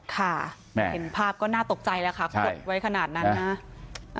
ค่ะเห็นภาพก็น่าตกใจแล้วค่ะขดไว้ขนาดนั้นนะ